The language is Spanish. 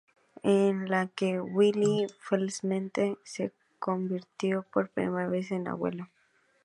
En la que Willie felizmente, se convirtió por primera vez en abuelo.